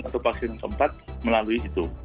atau vaksin keempat melalui itu